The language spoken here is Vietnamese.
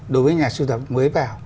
đối với nhà sưu tập mới vào